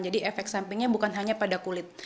jadi efek sampingnya bukan hanya pada kulit